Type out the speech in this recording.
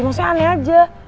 maksudnya aneh aja